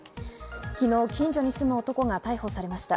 昨日、近所に住む男が逮捕されました。